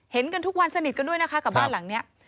เห็นกันทุกวันสนิทกันด้วยนะคะกับบ้านหลังนี้